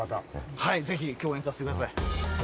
はいぜひ共演させてください。